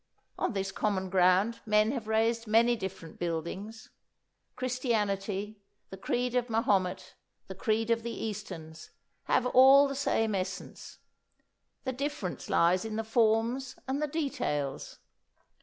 On this common ground men have raised many different buildings. Christianity, the creed of Mahomet, the creed of the Easterns, have all the same essence. The difference lies in the forms and the details.